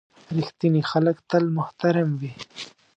• رښتیني خلک تل محترم وي.